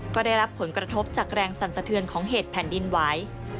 ก็ได้รับผลกระทบจากแรงสั่นสะเทือนของเหตุแผ่นดินไหว